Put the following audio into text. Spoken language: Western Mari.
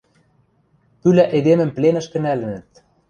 пӱлӓ эдемӹм пленӹшкӹ нӓлӹнӹт.